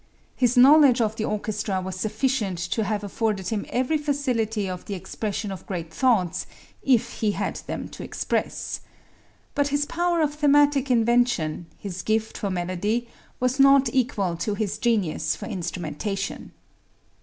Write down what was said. His knowledge of the orchestra was sufficient to have afforded him every facility for the expression of great thoughts if he had them to express. But his power of thematic invention, his gift for melody, was not equal to his genius for instrumentation.